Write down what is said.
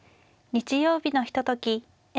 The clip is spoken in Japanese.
日曜日のひととき